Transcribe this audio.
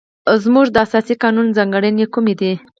زموږ د اساسي قانون ځانګړنې کومې دي؟